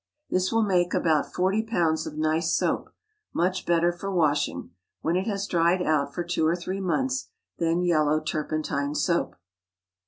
This will make about forty pounds of nice soap; much better for washing (when it has dried out for two or three months) than yellow turpentine soap.